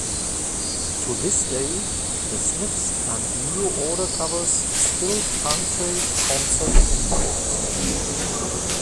To this day, The Smiths and New Order covers still punctuate concert encores.